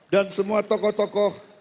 dan semua tokoh tokoh